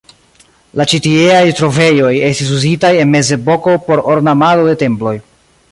La ĉi tieaj trovejoj estis uzitaj en mezepoko por ornamado de temploj.